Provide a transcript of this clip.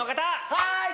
はい！